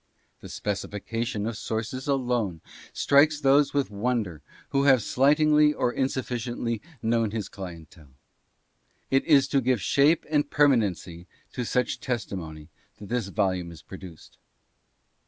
The specification of sources alone strikes those with wonder who have slightingly or insufficiently known his clientele. It is to give shape and permanency to such testimony that this volume is produced.